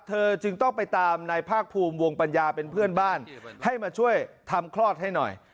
เธอจึงต้องไปตามนายภาคภูมิวงปัญญาเป็นเพื่อนบ้านให้มาช่วยทำคลอดให้หน่อย